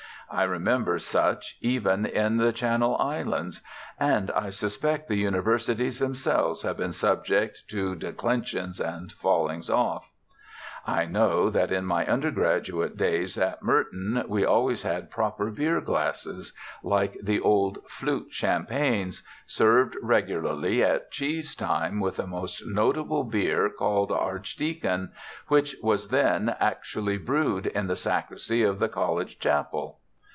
I remember such even in the Channel Islands. And I suspect the Universities themselves have been subject to "declensions and fallings off." I know that in my undergraduate days at Merton we always had proper beer glasses, like the old "flute" champagnes, served regularly at cheese time with a most noble beer called "Archdeacon," which was then actually brewed in the sacristy of the College chapel.